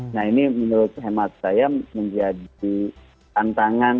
nah ini menurut hemat saya menjadi tantangan